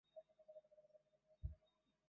索梅尔卡尔是德国巴伐利亚州的一个市镇。